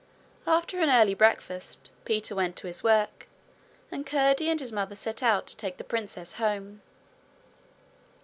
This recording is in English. After an early breakfast, Peter went to his work and Curdie and his mother set out to take the princess home.